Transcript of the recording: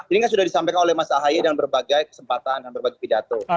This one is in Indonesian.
ini kan sudah disampaikan oleh mas ahaye dalam berbagai kesempatan dan berbagai pidato